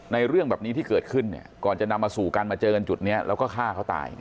เรื่องแบบนี้ที่เกิดขึ้นเนี่ยก่อนจะนำมาสู่การมาเจอกันจุดนี้แล้วก็ฆ่าเขาตาย